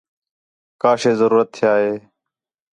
کا شے ضرورت تھیا ہِے